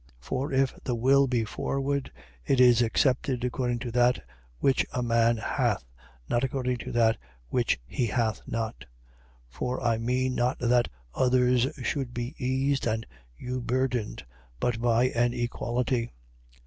8:12. For if the will be forward, it is accepted according to that which a man hath: not according to that which he hath not. 8:13. For I mean not that others should be eased and you burdened, but by an equality.